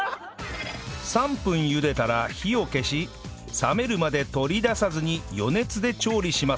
３分茹でたら火を消し冷めるまで取り出さずに余熱で調理します